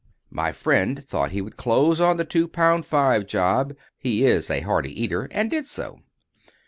My friend thought he would close on the two pound five job (he is a hearty eater), and did so.